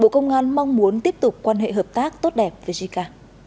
và mong muốn tiếp tục quan hệ hợp tác tốt đẹp với jica